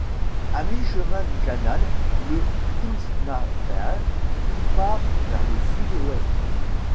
À mi-chemin du canal, le Klynsmafeart part vers le sud-ouest.